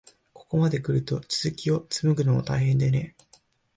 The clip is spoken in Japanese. ここまでくると、続きをつむぐのも大変でね。